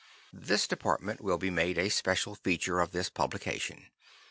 —This department will be made a special feature of this publication.